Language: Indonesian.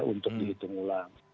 untuk dihitung ulang